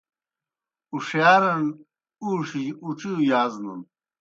اُݜِیارݨ اُوݜِجیْ اُڇِیؤ یازنَن۔